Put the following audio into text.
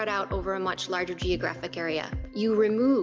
tapi terdampak di area geografi yang lebih besar